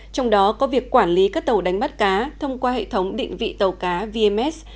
trong đó có việc quản lý các tàu đánh bắt cá thông qua hệ thống định vị tàu cá vms